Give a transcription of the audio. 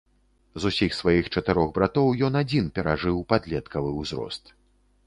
З усіх сваіх чатырох братоў ён адзін перажыў падлеткавы ўзрост.